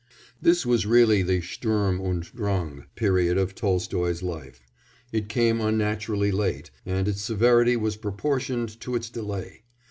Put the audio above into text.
This was really the "Sturm und Drang" period of Tolstoy's life; it came unnaturally late, and its severity was proportioned to its delay.